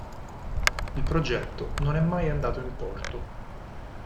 Il progetto non è mai andato in porto.